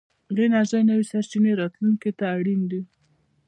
د انرژۍ نوې سرچينې راتلونکي ته اړين دي.